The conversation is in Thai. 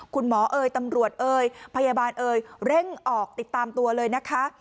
เอ๋ยตำรวจเอ่ยพยาบาลเอ่ยเร่งออกติดตามตัวเลยนะคะ